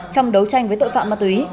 trong đấu tranh với tội phạm ma túy